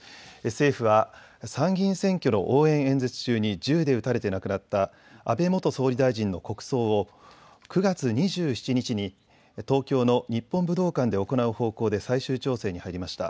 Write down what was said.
政府は参議院選挙の応援演説中に銃で撃たれて亡くなった安倍元総理大臣の国葬を９月２７日に東京の日本武道館で行う方向で最終調整に入りました。